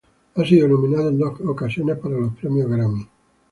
Ha sido nominado en dos ocasiones para los Premios Grammy.